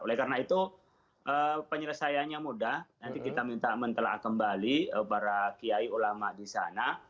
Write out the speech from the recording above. oleh karena itu penyelesaiannya mudah nanti kita minta mentela kembali para kiai ulama di sana